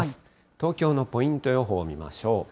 東京のポイント予報を見ましょう。